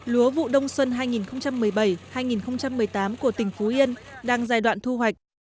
lúa vụ đông xuân hai nghìn một mươi bảy hai nghìn một mươi tám của tỉnh phú yên đang giai đoạn thu hoạch